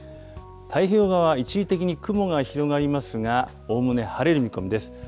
太平洋側、一時的に雲が広がりますが、おおむね晴れる見込みです。